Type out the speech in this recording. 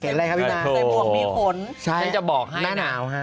เห็นไหมครับพี่ม้าใส่ห่วงมีขนใช่ฉันจะบอกให้หนุ่มหน้าหนาวครับ